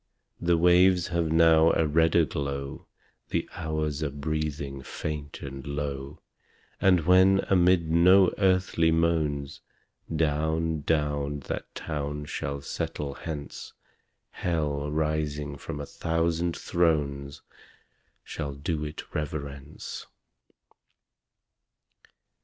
The waves have now a redder glow The hours are breathing faint and low And when, amid no earthly moans, Down, down that town shall settle hence, Hell, rising from a thousand thrones, Shall do it reverence.